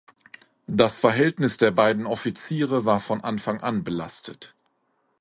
Das Verhältnis der beiden Offiziere war von Anfang an belastet.